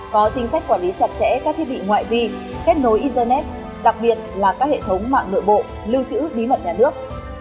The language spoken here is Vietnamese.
có chính sách quản lý chặt chẽ các thiết bị ngoại vi kết nối internet đặc biệt là các hệ thống mạng nội bộ lưu trữ bí mật nhà nước